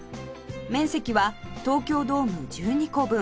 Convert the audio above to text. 面積は東京ドーム１２個分